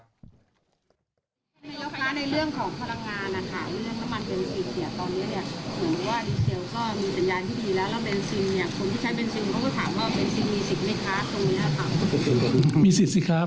นายกเศรษฐาตอบอย่างไรลองฟังดูครับ